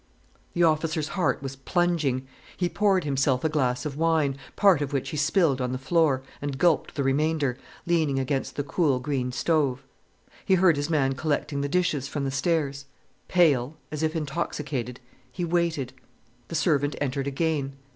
The officer's heart was plunging. He poured himself a glass of wine, part of which he spilled on the floor, and gulped the remainder, leaning against the cool, green stove. He heard his man collecting the dishes from the stairs. Pale, as if intoxicated, he waited. The servant entered again.